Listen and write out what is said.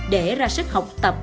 để ra sức học tập